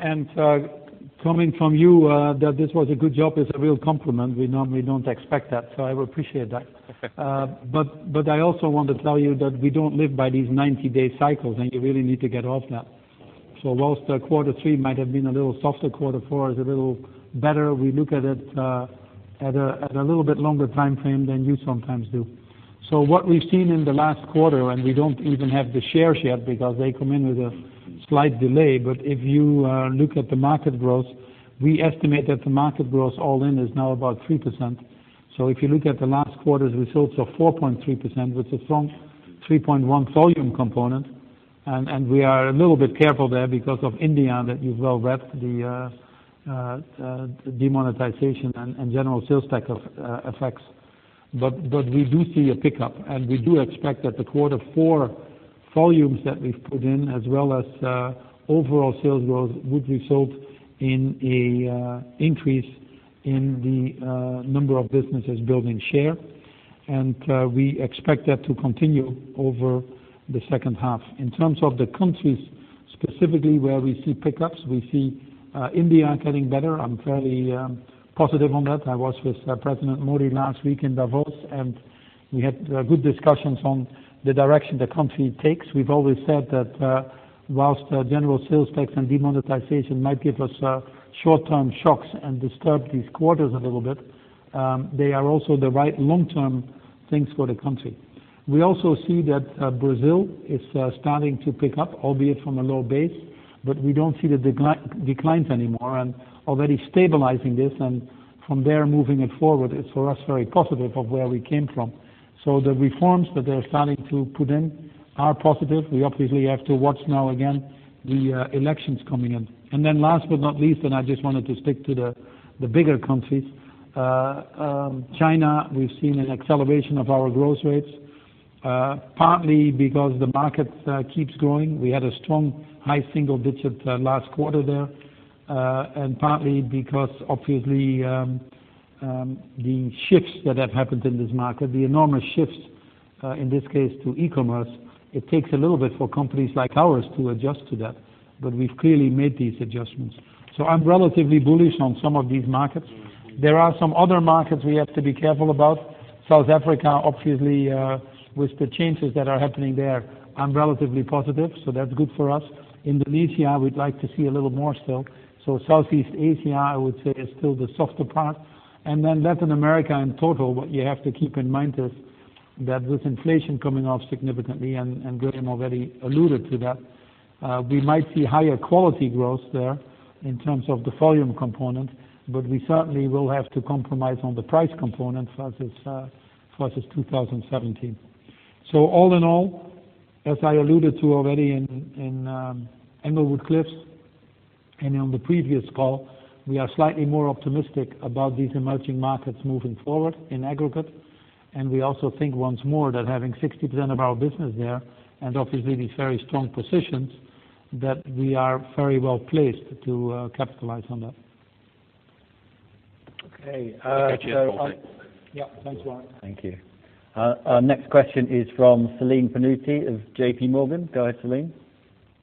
coming from you that this was a good job is a real compliment. We normally don't expect that, so I appreciate that. I also want to tell you that we don't live by these 90-day cycles, and you really need to get off that. Whilst quarter three might have been a little softer, quarter four is a little better. We look at it at a little bit longer timeframe than you sometimes do. What we've seen in the last quarter, and we don't even have the shares yet because they come in with a slight delay, but if you look at the market growth, we estimate that the market growth all-in is now about 3%. If you look at the last quarter's results of 4.3% with a strong 3.1 volume component, and we are a little bit careful there because of India, that you've well read, the demonetization and General Sales Tax effects. We do see a pickup, and we do expect that the quarter four volumes that we've put in as well as overall sales growth would result in an increase in the number of businesses building share. We expect that to continue over the second half. In terms of the countries specifically where we see pickups, we see India getting better. I'm fairly positive on that. I was with President Modi last week in Davos, and we had good discussions on the direction the country takes. We've always said that whilst General Sales Tax and demonetization might give us short-term shocks and disturb these quarters a little bit, they are also the right long-term things for the country. We also see that Brazil is starting to pick up, albeit from a low base, but we don't see the declines anymore and already stabilizing this and from there moving it forward. It's for us very positive of where we came from. The reforms that they're starting to put in are positive. We obviously have to watch now again the elections coming in. Then last but not least, and I just wanted to stick to the bigger countries. China, we've seen an acceleration of our growth rates, partly because the market keeps growing. We had a strong high single-digit last quarter there, partly because obviously, the shifts that have happened in this market, the enormous shifts, in this case to e-commerce, it takes a little bit for companies like ours to adjust to that. We've clearly made these adjustments. I'm relatively bullish on some of these markets. There are some other markets we have to be careful about. South Africa, obviously, with the changes that are happening there, I'm relatively positive, so that's good for us. Indonesia, we'd like to see a little more still. Southeast Asia, I would say is still the softer part. Latin America in total, what you have to keep in mind is that with inflation coming off significantly, and Graeme already alluded to that, we might see higher quality growth there in terms of the volume component, but we certainly will have to compromise on the price component versus 2017. All in all, as I alluded to already in Englewood Cliffs and on the previous call, we are slightly more optimistic about these emerging markets moving forward in aggregate, and we also think once more that having 60% of our business there, and obviously these very strong positions, that we are very well-placed to capitalize on that. Okay. Yeah. Thanks, Warren. Thank you. Our next question is from Celine Pannuti of JPMorgan. Go ahead, Celine.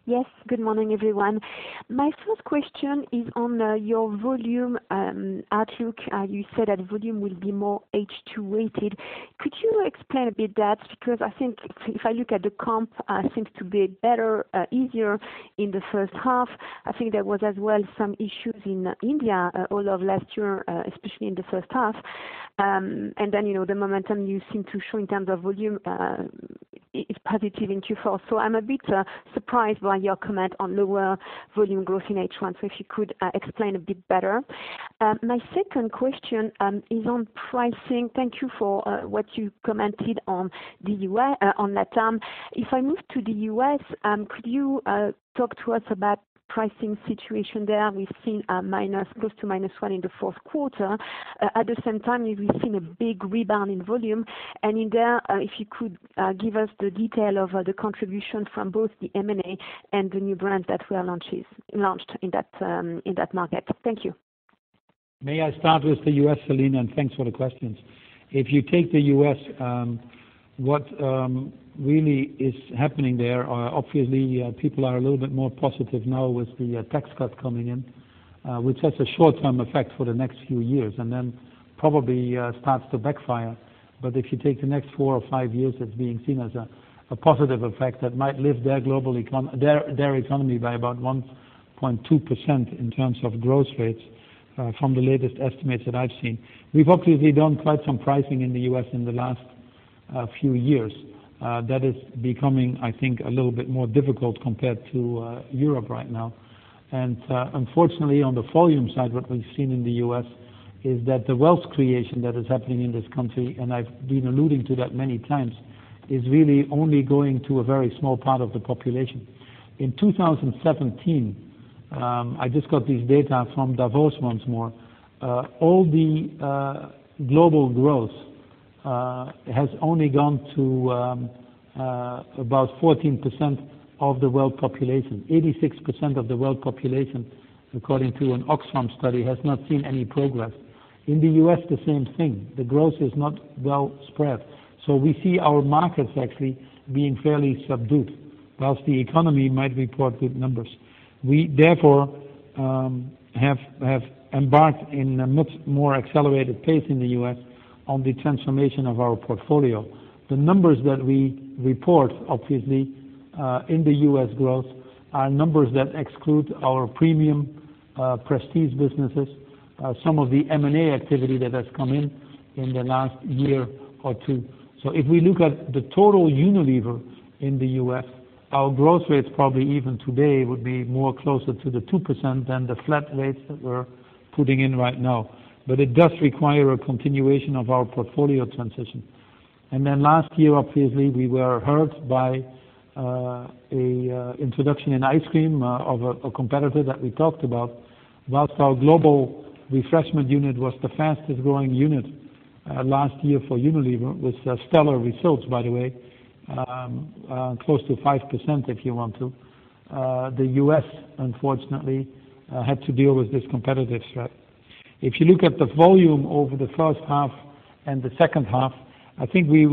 Yes. Good morning, everyone. My first question is on your volume outlook. You said that volume will be more H2 weighted. Could you explain a bit that? Because I think if I look at the comp, seems to be better, easier in the first half. I think there was as well some issues in India all of last year, especially in the first half. The momentum you seem to show in terms of volume is positive in Q4. I'm a bit surprised by your comment on lower volume growth in H1. If you could explain a bit better. My second question is on pricing. Thank you for what you commented on LATAM. If I move to the U.S., could you talk to us about pricing situation there? We've seen close to -1% in the fourth quarter. At the same time, we've seen a big rebound in volume. In there, if you could give us the detail of the contribution from both the M&A and the new brand that were launched in that market. Thank you. May I start with the U.S., Celine? Thanks for the questions. If you take the U.S., what really is happening there are obviously people are a little bit more positive now with the tax cut coming in, which has a short-term effect for the next few years, and then probably starts to backfire. If you take the next four or five years, it's being seen as a positive effect that might lift their economy by about 1.2% in terms of growth rates from the latest estimates that I've seen. We've obviously done quite some pricing in the U.S. in the last few years. That is becoming, I think, a little bit more difficult compared to Europe right now. Unfortunately, on the volume side, what we've seen in the U.S. is that the wealth creation that is happening in this country, and I've been alluding to that many times, is really only going to a very small part of the population. In 2017, I just got this data from Davos once more. All the global growth has only gone to about 14% of the world population. 86% of the world population, according to an Oxfam study, has not seen any progress. In the U.S., the same thing. The growth is not well spread. We see our markets actually being fairly subdued, whilst the economy might report good numbers. We, therefore, have embarked in a much more accelerated pace in the U.S. on the transformation of our portfolio. The numbers that we report, obviously, in the U.S. growth, are numbers that exclude our premium prestige businesses, some of the M&A activity that has come in the last year or two. If we look at the total Unilever in the U.S., our growth rates probably even today would be more closer to the 2% than the flat rates that we're putting in right now. It does require a continuation of our portfolio transition. Last year, obviously, we were hurt by introduction in ice cream of a competitor that we talked about. Whilst our global refreshment unit was the fastest growing unit last year for Unilever, with stellar results, by the way, close to 5% if you want to, the U.S. unfortunately had to deal with this competitive threat. If you look at the volume over the first half and the second half, I think the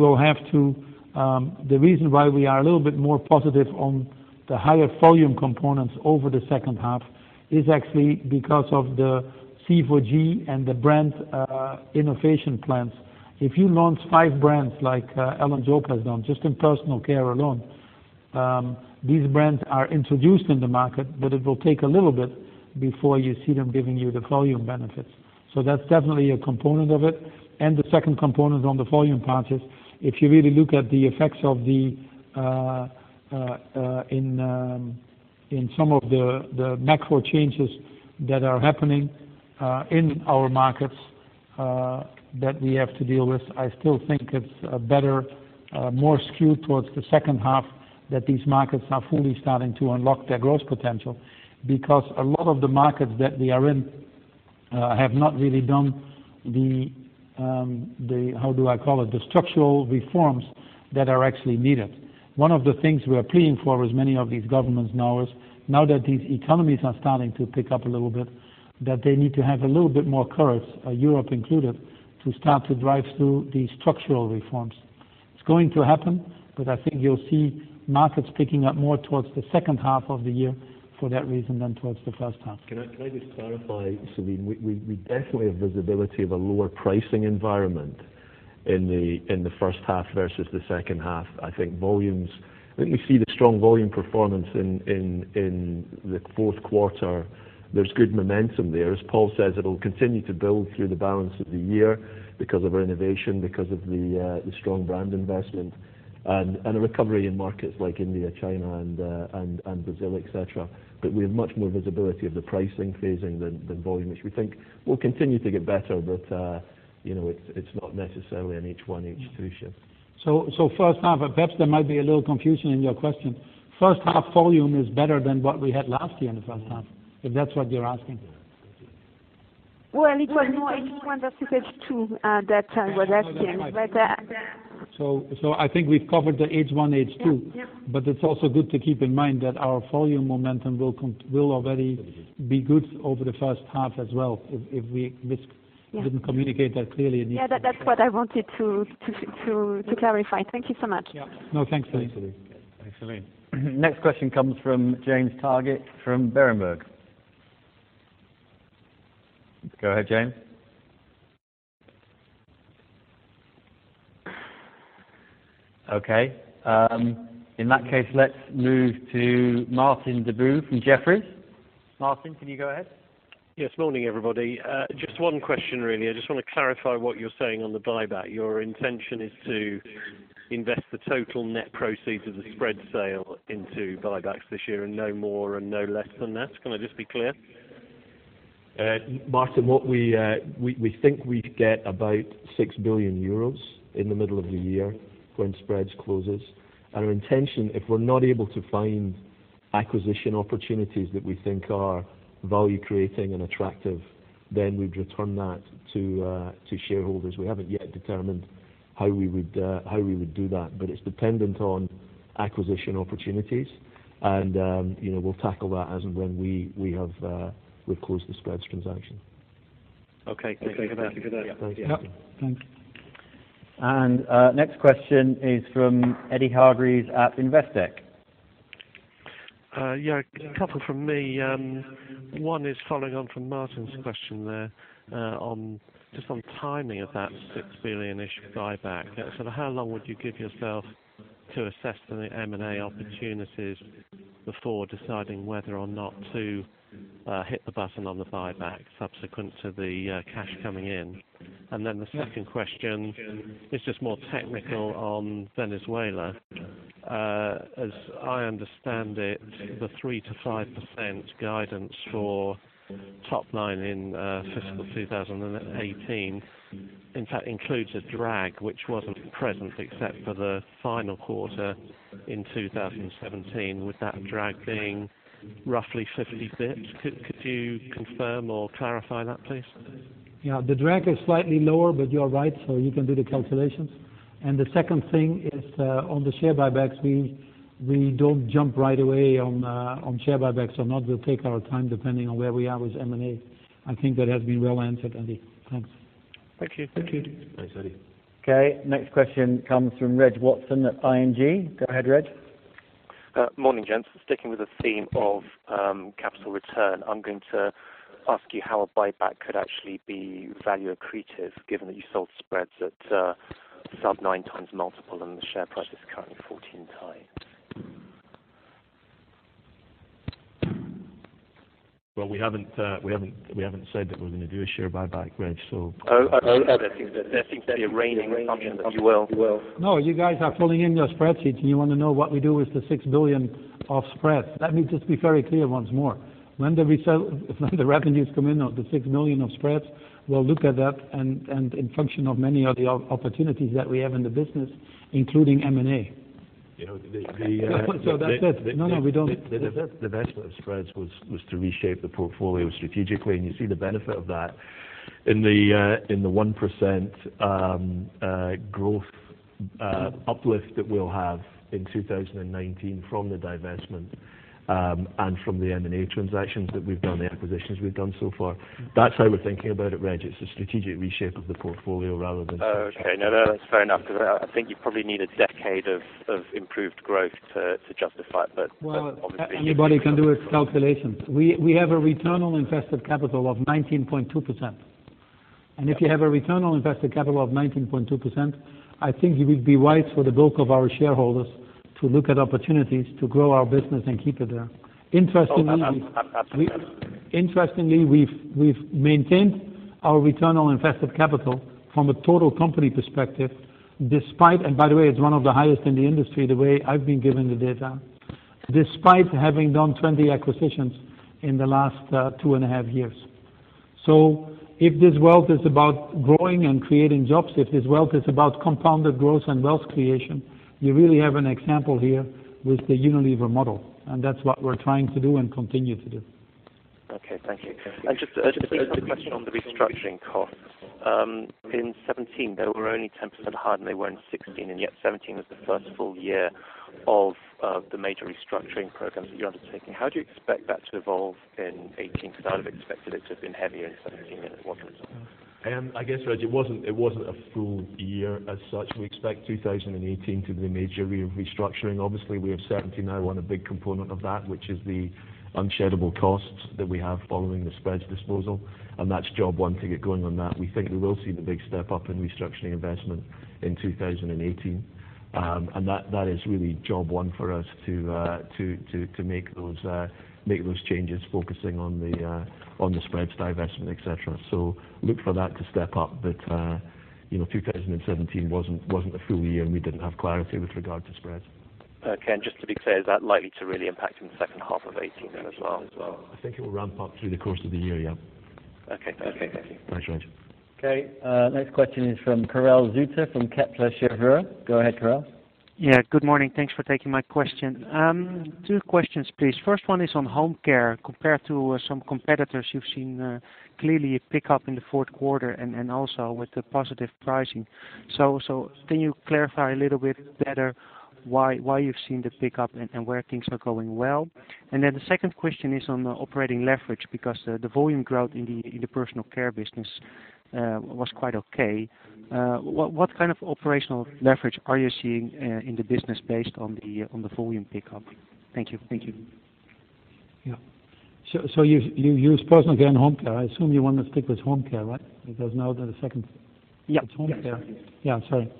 reason why we are a little bit more positive on the higher volume components over the second half is actually because of the C4G and the brand innovation plans. If you launch five brands like Alan Jope has done just in personal care alone, these brands are introduced in the market, but it will take a little bit before you see them giving you the volume benefits. That's definitely a component of it. The second component on the volume part is, if you really look at the effects in some of the macro changes that are happening in our markets that we have to deal with, I still think it's a better, more skewed towards the second half that these markets are fully starting to unlock their growth potential. Because a lot of the markets that we are in have not really done the, how do I call it, the structural reforms that are actually needed. One of the things we are pleading for, as many of these governments know, is now that these economies are starting to pick up a little bit, that they need to have a little bit more courage, Europe included, to start to drive through these structural reforms. It's going to happen, but I think you'll see markets picking up more towards the second half of the year for that reason than towards the first half. Can I just clarify, Celine? We definitely have visibility of a lower pricing environment in the first half versus the second half. I think we see the strong volume performance in the fourth quarter. There's good momentum there. As Paul says, it'll continue to build through the balance of the year because of our innovation, because of the strong brand investment, and a recovery in markets like India, China, and Brazil, et cetera. We have much more visibility of the pricing phasing than volume, which we think will continue to get better, but it's not necessarily an H1, H2 shift. First half, perhaps there might be a little confusion in your question. First half volume is better than what we had last year in the first half, if that's what you're asking. It was more H1 versus H2 that time was last year. I think we've covered the H1, H2. Yep. It's also good to keep in mind that our volume momentum will already be good over the first half as well. Yeah We didn't communicate that clearly in the initial share. Yeah, that's what I wanted to clarify. Thank you so much. Yeah. No, thanks, Celine. Thanks, Celine. Next question comes from James Targett from Berenberg. Go ahead, James. Okay. In that case, let's move to Martin Deboo from Jefferies. Martin, can you go ahead? Yes, morning, everybody. Just one question, really. I just want to clarify what you're saying on the buyback. Your intention is to invest the total net proceeds of the Spread sale into buybacks this year and no more and no less than that? Can I just be clear? Martin, we think we'd get about 6 billion euros in the middle of the year when Spreads closes. Our intention, if we're not able to find acquisition opportunities that we think are value creating and attractive, then we'd return that to shareholders. We haven't yet determined how we would do that, but it's dependent on acquisition opportunities, and we'll tackle that as and when we've closed the Spreads transaction. Okay. Thank you for that. Yeah. Yep. Thanks. Next question is from Eddy Hargreaves at Investec. Yeah, a couple from me. One is following on from Martin's question there, just on timing of that 6 billion-ish buyback. How long would you give yourself to assess the M&A opportunities before deciding whether or not to hit the button on the buyback subsequent to the cash coming in? The second question is just more technical on Venezuela. As I understand it, the 3%-5% guidance for top line in fiscal 2018, in fact, includes a drag which wasn't present except for the final quarter in 2017, with that drag being roughly 50 basis points. Could you confirm or clarify that, please? Yeah. The drag is slightly lower, but you're right, you can do the calculations. The second thing is, on the share buybacks, we don't jump right away on share buybacks or not. We'll take our time depending on where we are with M&A. I think that has been well answered, Eddy. Thanks. Thank you. Thank you. Thanks, Eddy. Okay, next question comes from Reg Watson at ING. Go ahead, Reg. Morning, gents. Sticking with the theme of capital return, I'm going to ask you how a buyback could actually be value accretive, given that you sold spreads at sub-nine times multiple, and the share price is currently 14 times. Well, we haven't said that we're going to do a share buyback, Reg. I think that there seems to be a reigning assumption that you will You guys are filling in your spreadsheets, and you want to know what we do with the 6 billion of spreads. Let me just be very clear once more. When the revenues come in of the 6 billion of spreads, we'll look at that, and in function of many of the opportunities that we have in the business, including M&A. The- That's it. The divest of spreads was to reshape the portfolio strategically, and you see the benefit of that in the 1% growth uplift that we'll have in 2019 from the divestment, and from the M&A transactions that we've done, the acquisitions we've done so far. That's how we're thinking about it, Reg. It's a strategic reshape of the portfolio. Oh, okay. No, that's fair enough, because I think you probably need a decade of improved growth to justify it. Well, anybody can do a calculation. We have a return on invested capital of 19.2%. If you have a return on invested capital of 19.2%, I think it would be wise for the bulk of our shareholders to look at opportunities to grow our business and keep it there. Interestingly, we've maintained our return on invested capital from a total company perspective. By the way, it's one of the highest in the industry, the way I've been given the data. Despite having done 20 acquisitions in the last two and a half years. If this wealth is about growing and creating jobs, if this wealth is about compounded growth and wealth creation, you really have an example here with the Unilever model, and that's what we're trying to do and continue to do. Okay, thank you. Just a quick question on the restructuring costs. In 2017, they were only 10% hard, and they weren't in 2016, and yet 2017 was the first full year of the major restructuring programs that you're undertaking. How do you expect that to evolve in 2018? I'd have expected it to have been heavier in 2017 than it was. I guess, Reg, it wasn't a full year as such. We expect 2018 to be the major year of restructuring. Obviously, we have certainty now on a big component of that, which is the unsheddable costs that we have following the spreads disposal, and that's job one, to get going on that. We think we will see the big step-up in restructuring investment in 2018. That is really job one for us to make those changes focusing on the spreads divestment, et cetera. Look for that to step up. 2017 wasn't a full year, and we didn't have clarity with regard to spreads. Okay, just to be clear, is that likely to really impact in the second half of 2018 as well? I think it will ramp up through the course of the year, yeah. Okay, thank you. Thanks, Reg. Okay, next question is from Karel Zoete from Kepler Cheuvreux. Go ahead, Karel. Yeah, good morning. Thanks for taking my question. Two questions, please. First one is on home care. Compared to some competitors, you've seen clearly a pickup in the fourth quarter and also with the positive pricing. Can you clarify a little bit better why you've seen the pickup and where things are going well? The second question is on the operating leverage, because the volume growth in the personal care business was quite okay. What kind of operational leverage are you seeing in the business based on the volume pickup? Thank you. Yeah. You used personal care and home care. I assume you want to stick with home care, right? Because now the Yeah is home care. Yeah, sorry.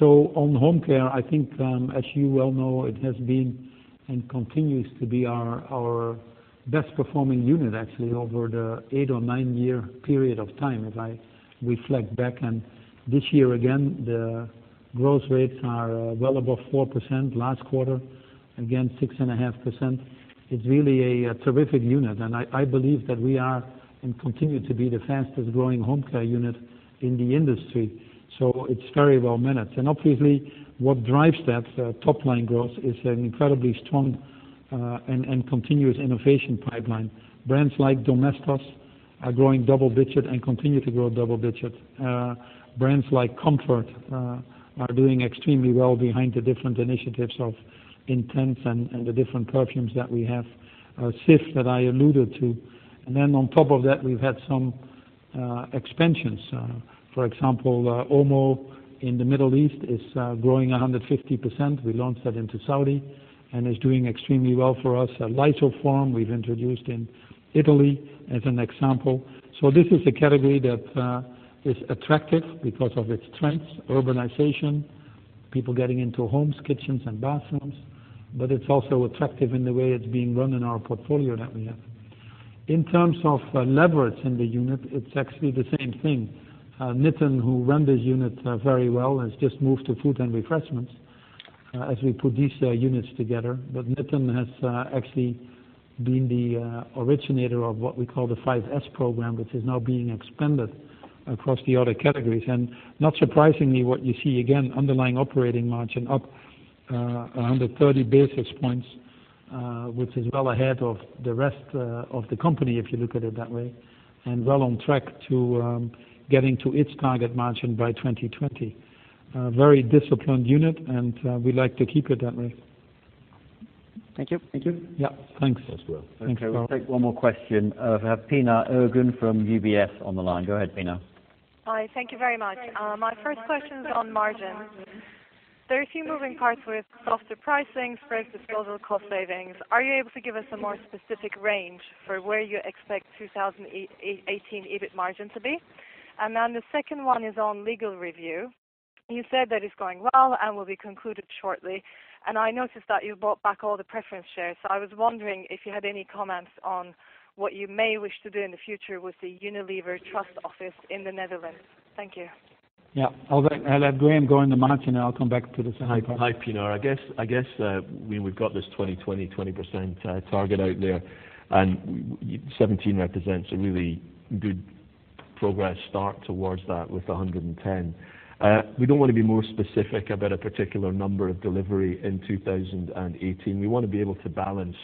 On home care, I think, as you well know, it has been and continues to be our best performing unit, actually, over the eight or nine-year period of time as I reflect back, this year, again, the growth rates are well above 4%, last quarter, again, 6.5%. It's really a terrific unit, and I believe that we are, and continue to be, the fastest growing home care unit in the industry. It's very well managed. Obviously, what drives that top-line growth is an incredibly strong and continuous innovation pipeline. Brands like Domestos are growing double digits and continue to grow double digits. Brands like Comfort are doing extremely well behind the different initiatives of Intense and the different perfumes that we have. Cif that I alluded to. On top of that, we've had some expansions. For example, OMO in the Middle East is growing 150%. We launched that into Saudi, and it's doing extremely well for us. Lysoform we've introduced in Italy as an example. This is a category that is attractive because of its strengths, urbanization, people getting into homes, kitchens, and bathrooms, but it's also attractive in the way it's being run in our portfolio that we have. In terms of leverage in the unit, it's actually the same thing. Nitin, who ran this unit very well, has just moved to Foods & Refreshment as we put these units together. Nitin has actually been the originator of what we call the 5S Program, which is now being expanded across the other categories. Not surprisingly, what you see, again, underlying operating margin up 130 basis points, which is well ahead of the rest of the company, if you look at it that way, and well on track to getting to its target margin by 2020. A very disciplined unit, and we like to keep it that way. Thank you. Thank you. Yeah, thanks as well. Okay, we'll take one more question. We have Pinar Ergun from UBS on the line. Go ahead, Pinar. Hi, thank you very much. My first question is on margins. There are a few moving parts with softer pricing, spread disposal, cost savings. Are you able to give us a more specific range for where you expect 2018 EBIT margin to be? The second one is on legal review. You said that it's going well and will be concluded shortly, and I noticed that you bought back all the preference shares. I was wondering if you had any comments on what you may wish to do in the future with the Unilever trust office in the Netherlands. Thank you. Yeah. I'll let Graeme go on the margin, and I'll come back to the second part. Hi, Pinar Ergun. I guess, we've got this 2020 20% target out there, and 2017 represents a really good progress start towards that with 110. We don't want to be more specific about a particular number of delivery in 2018. We want to be able to balance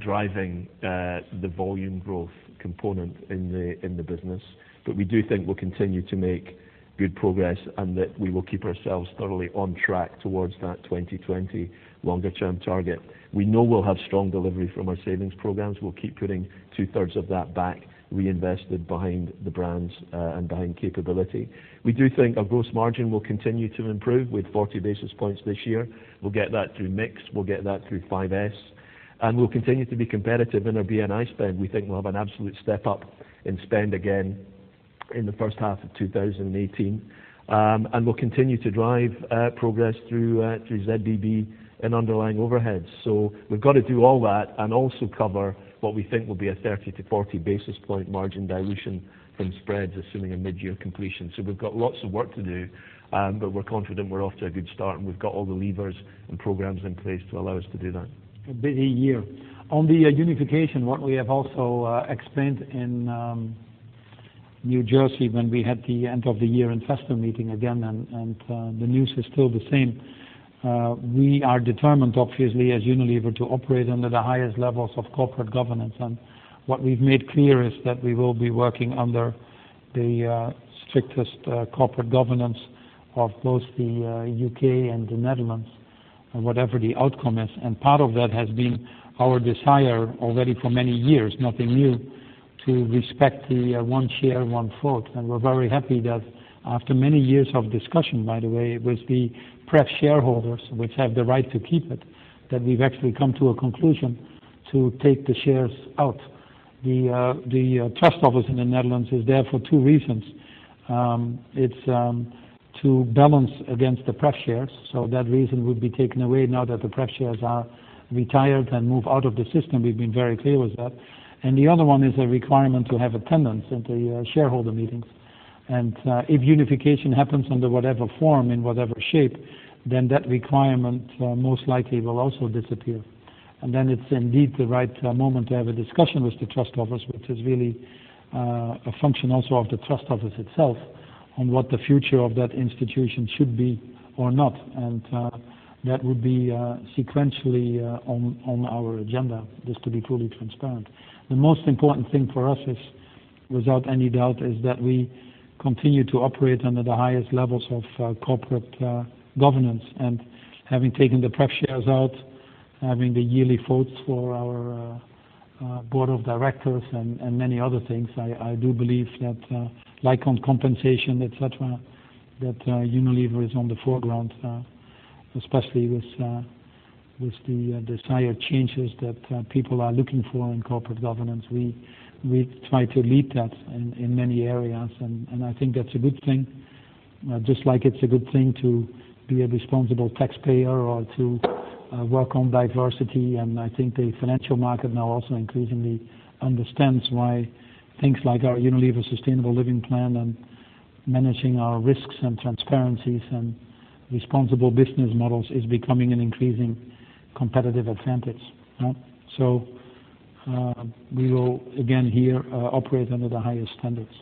driving the volume growth component in the business. But we do think we'll continue to make good progress and that we will keep ourselves thoroughly on track towards that 2020 longer-term target. We know we'll have strong delivery from our savings programs. We'll keep putting two-thirds of that back reinvested behind the brands and behind capability. We do think our gross margin will continue to improve with 40 basis points this year. We'll get that through mix, we'll get that through 5S, and we'll continue to be competitive in our BMI spend. We think we'll have an absolute step-up in spend again in the first half of 2018. We'll continue to drive progress through ZBB and underlying overheads. We've got to do all that and also cover what we think will be a 30 to 40 basis point margin dilution from spreads, assuming a mid-year completion. We've got lots of work to do, but we're confident we're off to a good start, and we've got all the levers and programs in place to allow us to do that. A busy year. On the unification, what we have also explained in New Jersey when we had the end of the year investor meeting again, and the news is still the same. We are determined, obviously, as Unilever to operate under the highest levels of corporate governance. What we've made clear is that we will be working under the strictest corporate governance of both the U.K. and the Netherlands, whatever the outcome is. Part of that has been our desire already for many years, nothing new, to respect the one share, one vote. We're very happy that after many years of discussion, by the way, with the pref shareholders, which have the right to keep it, that we've actually come to a conclusion to take the shares out. The trust office in the Netherlands is there for two reasons. It's to balance against the pref shares. That reason would be taken away now that the pref shares are retired and move out of the system. We've been very clear with that. The other one is a requirement to have attendance at the shareholder meetings. If unification happens under whatever form, in whatever shape, then that requirement most likely will also disappear. Then it's indeed the right moment to have a discussion with the trust office, which is really a function also of the trust office itself on what the future of that institution should be or not. That would be sequentially on our agenda, just to be totally transparent. The most important thing for us is, without any doubt, is that we continue to operate under the highest levels of corporate governance. Having taken the pref shares out, having the yearly votes for our board of directors and many other things, I do believe that, like on compensation, et cetera, that Unilever is on the foreground, especially with the desired changes that people are looking for in corporate governance. We try to lead that in many areas, and I think that's a good thing. Just like it's a good thing to be a responsible taxpayer or to work on diversity, and I think the financial market now also increasingly understands why things like our Unilever Sustainable Living Plan and managing our risks and transparencies and responsible business models is becoming an increasing competitive advantage. We will again here operate under the highest standards.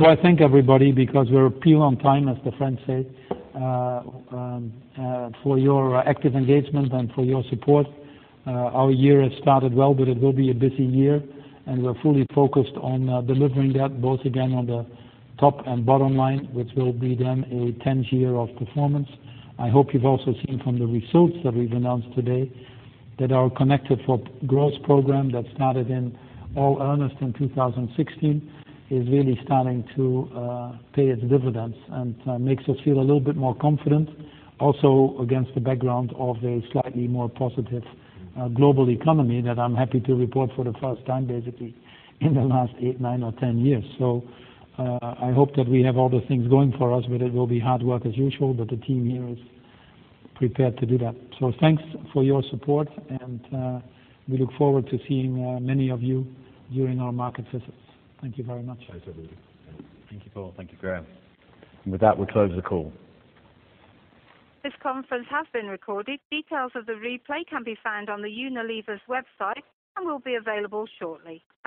I thank everybody because we're pure on time, as the French say, for your active engagement and for your support. Our year has started well, but it will be a busy year, and we're fully focused on delivering that, both again on the top and bottom line, which will be then a 10th year of performance. I hope you've also seen from the results that we've announced today that our Connected 4 Growth program that started in all earnest in 2016 is really starting to pay its dividends and makes us feel a little bit more confident. Also against the background of a slightly more positive global economy that I'm happy to report for the first time, basically in the last eight, nine or 10 years. I hope that we have all the things going for us, but it will be hard work as usual, but the team here is prepared to do that. Thanks for your support, and we look forward to seeing many of you during our market visits. Thank you very much. Thanks, everybody. Thank you, Paul. Thank you, Graeme. With that, we'll close the call. This conference has been recorded. Details of the replay can be found on Unilever's website and will be available shortly.